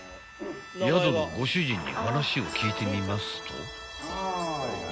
［宿のご主人に話を聞いてみますと］